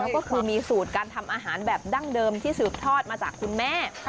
ก็คือมีสูตรการทำอาหารแบบดั้งเดิมที่สืบทอดมาจากคุณแม่